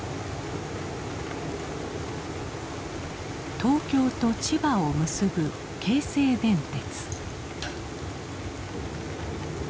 東京と千葉を結ぶ京成電鉄。